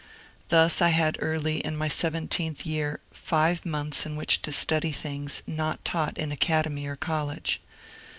Thus I had early in my seventeenth year five months in which to study things not taught in academy or college.